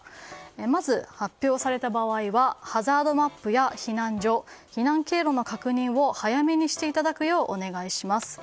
まず、発表された場合はハザードマップや避難所・避難経路の確認を早めにしていただくようお願いします。